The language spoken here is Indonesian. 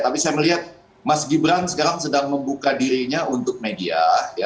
tapi saya melihat mas gibran sekarang sedang membuka dirinya untuk media